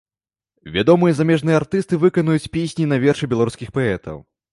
Вядомыя замежныя артысты выканаюць песні на вершы беларускіх паэтаў.